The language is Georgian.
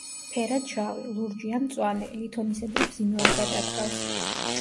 ფერად შავი, ლურჯი ან მწვანე, ლითონისებრი ბზინვარება დაკრავს.